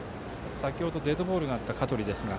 先程デッドボールのあった香取ですが。